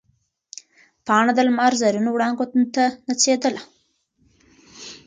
پاڼه د لمر زرینو وړانګو ته نڅېدله.